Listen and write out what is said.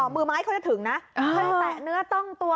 มือไม้เขาจะถึงนะเขาจะแตะเนื้อต้องตัว